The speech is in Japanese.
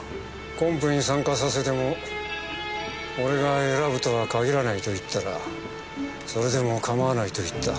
コンペに参加させても俺が選ぶとは限らないと言ったらそれでも構わないと言った。